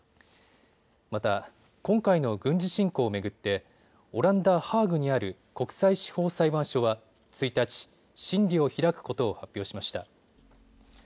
また今回の軍事侵攻を巡ってオランダハーグにある国際司法裁判所は１日、審理を開くことを発表しました。